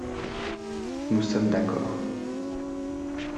Nous sommes d’accord.